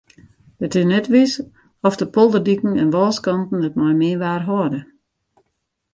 It is net wis oft de polderdiken en wâlskanten it mei min waar hâlde.